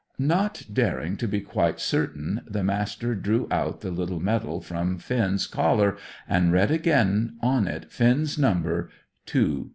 Not daring to be quite certain, the Master drew out the little medal from beside Finn's collar, and read again on it Finn's number: 247.